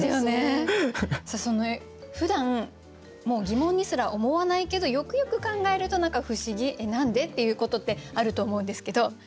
そのふだんもう疑問にすら思わないけどよくよく考えると何か不思議何で？っていうことってあると思うんですけど。